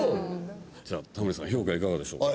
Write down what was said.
じゃあタモリさん評価いかがでしょう？